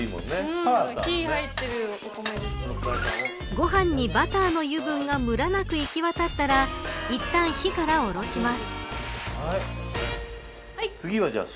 ご飯にバターの油分がむらなくいき渡ったらいったん、火から下ろします。